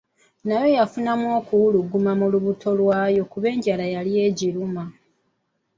Naye yafunamu okuwuluguma mu lubuto lwayo kubanga enjala yali egiruma.